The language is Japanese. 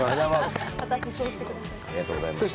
ありがとうございます。